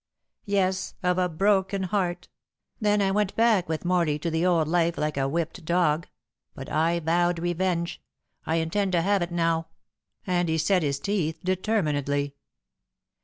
"Yes, of a broken heart. Then I went back with Morley to the old life like a whipped dog. But I vowed revenge. I intend to have it now." And he set his teeth determinedly.